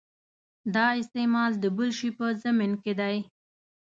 دا استعمال د بل شي په ضمن کې دی.